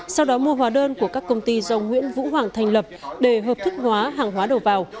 sau đó mua hóa đơn của các công ty do nguyễn vũ hoàng thành lập để hợp thức hóa hàng hóa đầu vào